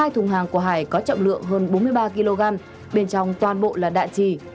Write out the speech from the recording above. hai thùng hàng của hải có trọng lượng hơn bốn mươi ba kg bên trong toàn bộ là đạn trì